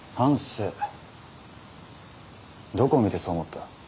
どこを見てそう思った。